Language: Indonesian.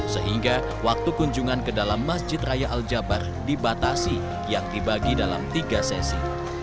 sehingga waktu kunjungan ke dalam masjid raya al jabar dibatasi yang dibagi dalam tiga sesi